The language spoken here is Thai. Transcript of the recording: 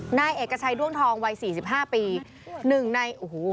หน้าเอกชัยด้วงทองวัย๔๕ปี